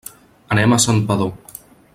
Anem a Santpedor.